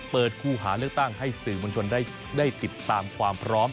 เปิดคู่หาเลือกตั้งให้สื่อมวลชนได้ติดตามความพร้อม